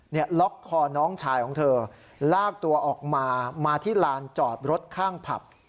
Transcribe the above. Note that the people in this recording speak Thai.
ล็อกคอน้องชายของเธอลากตัวออกมามาที่ลานจอดรถข้างผับ